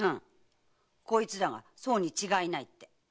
こいつらがそうに違いないって。